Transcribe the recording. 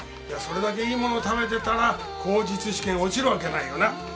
それだけいいものを食べてたら口述試験落ちるわけないよな。